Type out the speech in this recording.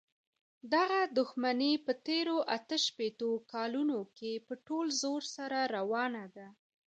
دغه دښمني په تېرو اته شپېتو کالونو کې په ټول زور سره روانه ده.